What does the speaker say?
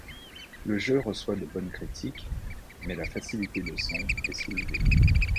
Le jeu reçoit de bonnes critiques, mais la facilité de son ' est soulevée.